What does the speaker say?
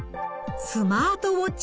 スマートウォッチ。